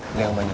beli yang banyak